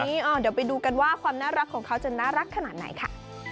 เดี๋ยวไปดูกันว่าความน่ารักของเขาจะน่ารักขนาดไหนค่ะ